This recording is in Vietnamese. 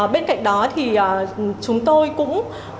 bên cạnh đó thì chúng tôi cũng